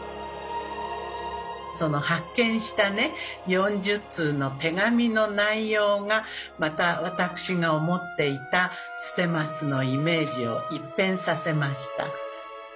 その発見した４０通の手紙の内容がまた私が思っていた捨松のイメージを一変させました。